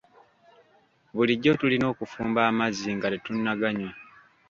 Bulijjo tulina okufumba amazzi nga tetunnaganywa.